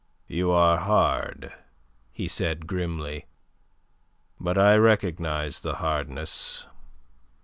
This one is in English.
"You are hard," he said grimly. "But I recognize the hardness.